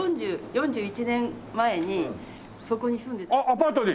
アパートに！？